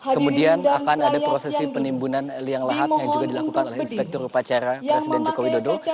kemudian akan ada prosesi penimbunan liang lahat yang juga dilakukan oleh inspektur upacara presiden joko widodo